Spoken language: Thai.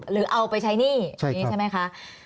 หรือเอาไปใช้หนี้ใช่ไหมคะ